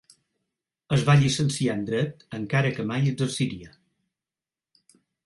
Es va llicenciar en Dret, encara que mai exerciria.